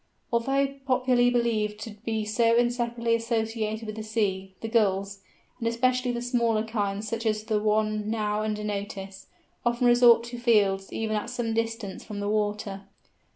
Although popularly believed to be so inseparably associated with the sea, the Gulls, and especially the smaller kinds such as the one now under notice, often resort to fields even at some distance from the water.